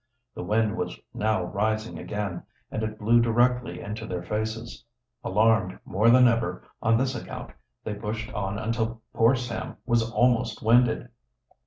The wind was now rising again, and it blew directly into their faces. Alarmed more than ever, on this account, they pushed on until poor Sam was almost winded.